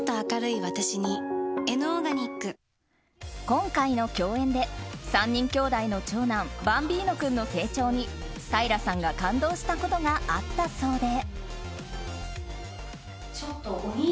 今回の共演で、３人兄弟の長男バンビーノ君の成長に平さんが感動したことがあったそうで。